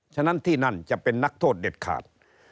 ฉะนั้นที่นั่นจะเป็นนักโทษเด็ดขาด